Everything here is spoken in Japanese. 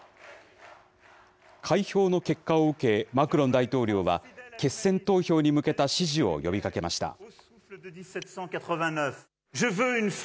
開票の結果を受け、マクロン大統領は、決選投票に向けた支持を呼びかけました。